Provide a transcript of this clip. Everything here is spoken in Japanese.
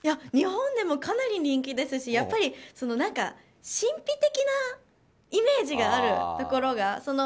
日本でもかなり人気ですしやっぱり神秘的なイメージがあるところが。